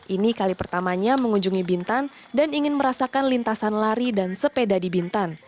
ini kali pertamanya mengunjungi bintan dan ingin merasakan lintasan lari dan sepeda di bintan